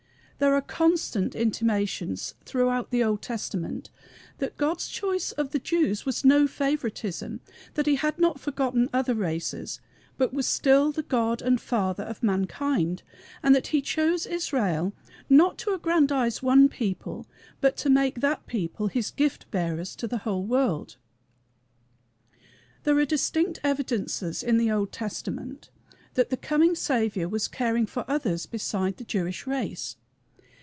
There are constant intimations throughout the Old Testament that God's choice of the Jews was no favoritism; that he had not forgotten other races, but was still the God and Father of mankind; and that he chose Israel not to aggrandize one people, but to make that people his gift bearers to the whole world. There are distinct evidences in the Old Testament that the coming Saviour was caring for others beside the Jewish race.